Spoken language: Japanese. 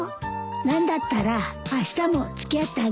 何だったらあしたも付き合ってあげるわよ。